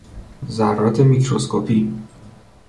ذرات میکروسکوپی